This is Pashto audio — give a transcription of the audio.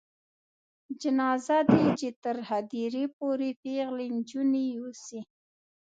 جنازه دې یې تر هدیرې پورې پیغلې نجونې یوسي.